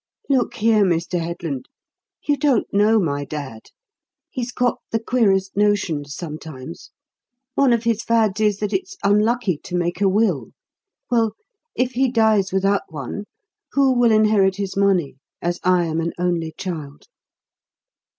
Look here, Mr. Headland, you don't know my dad. He's got the queerest notions sometimes. One of his fads is that it's unlucky to make a will. Well, if he dies without one, who will inherit his money, as I am an only child?"